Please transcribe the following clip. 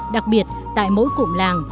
đặc biệt tại mỗi cụm làng